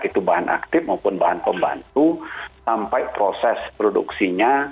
itu bahan aktif maupun bahan pembantu sampai proses produksinya